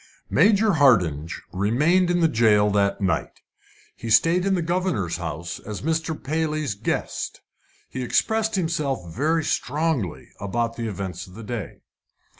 Major Hardinge remained in the jail that night. He stayed in the governor's house as Mr. Paley's guest. He expressed himself very strongly about the events of the day.